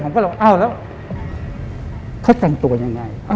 เขาแต่งตัวยังไง